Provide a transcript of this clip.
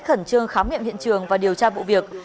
khẩn trương khám nghiệm hiện trường và điều tra vụ việc